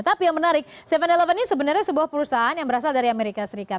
tapi yang menarik tujuh eleven ini sebenarnya sebuah perusahaan yang berasal dari amerika serikat